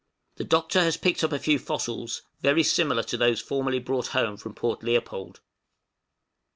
The Doctor has picked up a few fossils very similar to those formerly brought home from Port Leopold.